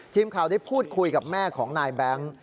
ทีมข่าวได้พูดคุยกับแม่ของนายแบงค์